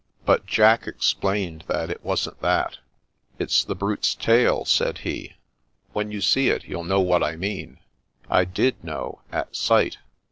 But Jack explained that it wasn't that. " It's the brute's tail," said he. " When you see it, you'll know what I mean." I did know, at sight.